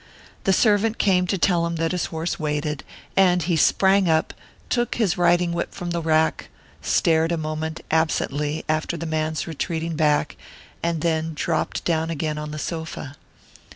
The servant came to tell him that his horse waited, and he sprang up, took his riding whip from the rack, stared a moment, absently, after the man's retreating back, and then dropped down again on the sofa....